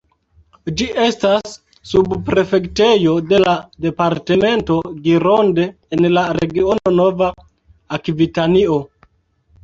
Ĝi estas subprefektejo de la departemento Gironde, en la regiono Nova Akvitanio.